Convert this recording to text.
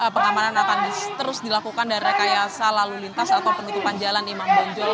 pengamanan akan terus dilakukan dan rekayasa lalu lintas atau penutupan jalan imam banjol